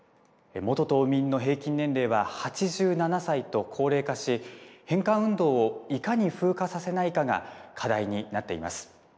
元島民の平均年齢は８７歳と高齢化し、返還運動をいかに風化させないかが課題になっています。